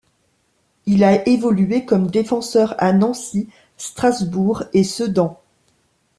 Il a évolué comme défenseur à Nancy, Strasbourg et Sedan.